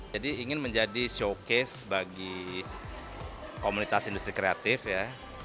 jadi ingin menjadi showcase bagi komunitas industri kreatif ya